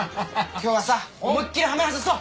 今日はさ思い切りハメ外そう。